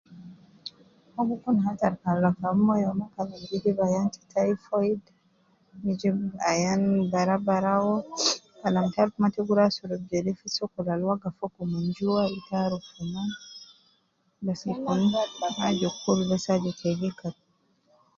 Uwo gikun hatar kan rakab moyo ma kalam gijib ayan ta typhoid, gijib ayan barau barau, kalam taruf ma ta gurua asurubu jede ligo fi sokol ab waga fogo minjua ita arufu ma fina la sokol aju kul bes aju